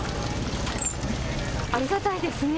ありがたいですね